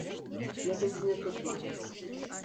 Nefesini tutma.